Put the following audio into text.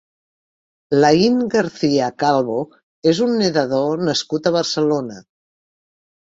Lain García Calvo és un nedador nascut a Barcelona.